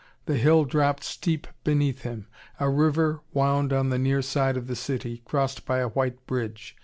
The hill dropped steep beneath him. A river wound on the near side of the city, crossed by a white bridge.